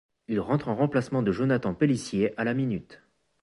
Il entre en remplacement de Jonathan Pélissié à la minute.